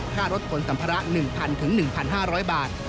รถขนสัมภาระ๑๐๐๑๕๐๐บาท